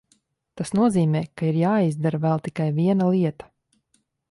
Tas nozīmē, ka ir jāizdara vēl tikai viena lieta.